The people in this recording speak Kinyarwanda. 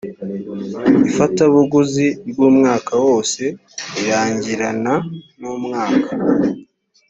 ifatabuguzi ry umwaka wose rirangirana n umwaka